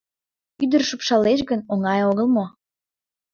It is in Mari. Ӱдыр шупшалеш гын, оҥай огыл мо?